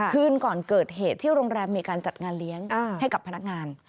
คืนก่อนเกิดเหตุที่โรงแรมมีการจัดงานเลี้ยงให้กับพนักงาน